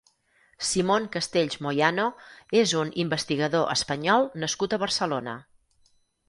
Simón Castells Moyano és un investigador Espanyol nascut a Barcelona.